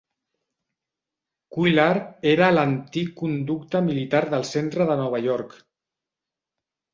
Cuyler era a l'antic conducte militar del centre de Nova York.